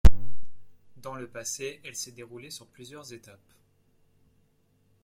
Dans le passé, elle s'est déroulée sur plusieurs étapes.